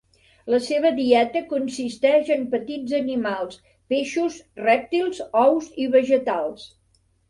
La seva dieta consisteix en petits animals, peixos, rèptils, ous i vegetals.